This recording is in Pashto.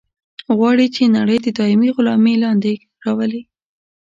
غواړي چې نړۍ د دایمي غلامي لاندې راولي.